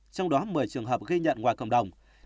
trong đó một mươi trường hợp ghi nhận ngoài cộng đồng